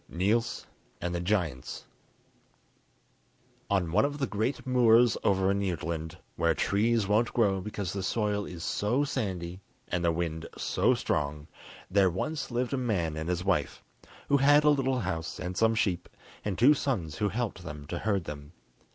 ] Niels And The Giants On one of the great moors over in Jutland, where trees won't grow because the soil is so sandy and the wind so strong, there once lived a man and his wife, who had a little house and some sheep, and two sons who helped them to herd them.